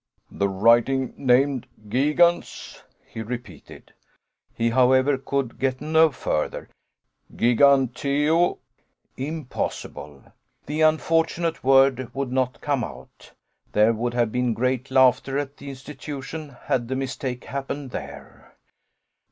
"The writing named Gigans " he repeated. He, however, could get no further. "Giganteo " Impossible! The unfortunate word would not come out. There would have been great laughter at the Institution, had the mistake happened there.